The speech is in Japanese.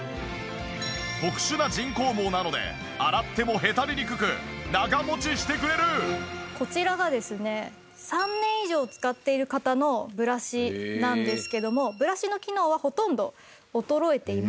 特殊な人工毛なのでこちらがですね３年以上使っている方のブラシなんですけどもブラシの機能はほとんど衰えていません。